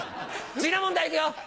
次の問題いくよ！